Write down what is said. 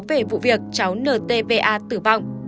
về vụ việc cháu ntva tử vong